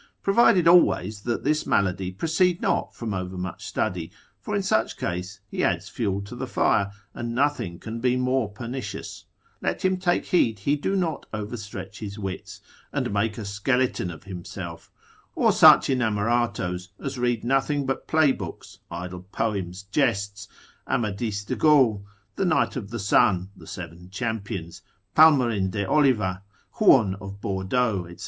Provided always that this malady proceed not from overmuch study; for in such case he adds fuel to the fire, and nothing can be more pernicious: let him take heed he do not overstretch his wits, and make a skeleton of himself; or such inamoratos as read nothing but play books, idle poems, jests, Amadis de Gaul, the Knight of the Sun, the Seven Champions, Palmerin de Oliva, Huon of Bordeaux, &c.